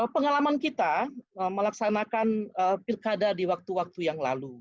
pengalaman kita melaksanakan pilkada di waktu waktu yang lalu